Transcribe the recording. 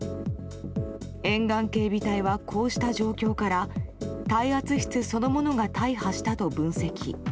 沿岸警備隊はこうした状況から耐圧室そのものが大破したと分析。